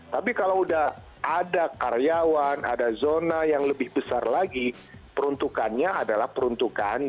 tapi kalau sudah ada karyawan ada zona yang lebih besar lagi peruntukannya adalah peruntukan